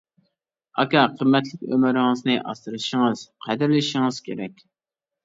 ئاكا، قىممەتلىك ئۆمرىڭىزنى ئاسرىشىڭىز، قەدىرلىشىڭىز كېرەك.